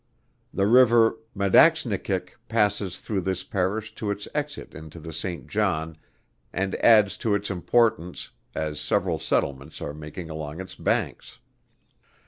The river Madaxnikik passes through this Parish to its exit into the Saint John, and adds to its importance, as several settlements are making along its banks.